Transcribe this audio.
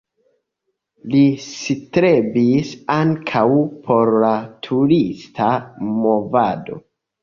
Li strebis ankaŭ por la turista movado.